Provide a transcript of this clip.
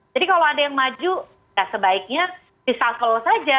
jadi kalau ada yang maju ya sebaiknya risafel saja